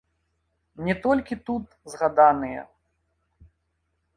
Не толькі тут згаданыя.